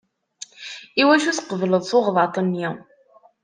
Iwacu tqebleḍ tuɣdaṭ-nni?